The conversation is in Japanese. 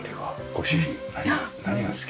ご主人何が好き？